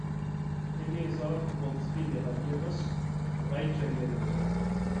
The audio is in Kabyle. Imi yeẓra tewweḍ tfidi ɣer yiɣes, dɣa yekker yerwel.